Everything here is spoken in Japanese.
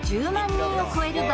人を超えるバ